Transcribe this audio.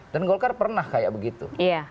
dan golkar pernah kayak begitu